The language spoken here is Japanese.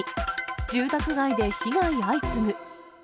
住宅街で被害相次ぐ。